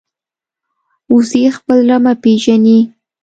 وزې خپل رمه پېژني